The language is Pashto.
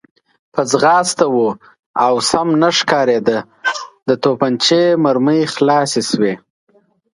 په ځغاسته و او سم نه ښکارېده، د تومانچې مرمۍ خلاصې شوې.